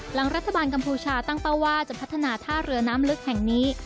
หลังรัฐบาลกัมพูชาตั้งเป้าว่าจะพัฒนาท่าเรือน้ำลึกแห่งนี้